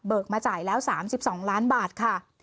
มาจ่ายแล้ว๓๒ล้านบาทค่ะ